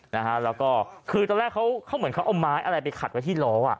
นะฮะแล้วก็คือตอนแรกเขาเหมือนเขาเอาไม้อะไรไปขัดไว้ที่ล้ออ่ะ